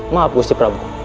maaf gusti prabu